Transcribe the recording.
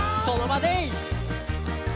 「その場で」